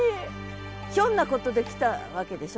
ひょんなことで来たわけでしょ。